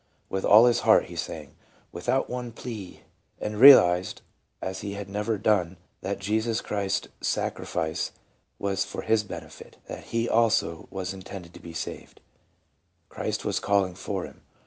With all his heart he sang :" Without one plea," and realized as he had never done that Jesus Christ's sacri fice was for his benefit, Jthat he also was intended to be saved ; Christ was calling for him.